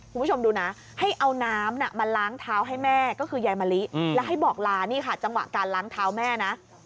คุณผู้ชมดูนะให้เอาน้ำมาล้างเท้าให้แม่ก็คือยายมะลิแล้วให้บอกลานี่ค่ะจังหวะการล้างเท้าแม่นะ